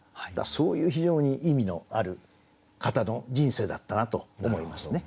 そういう非常に意味のある方の人生だったなと思いますね。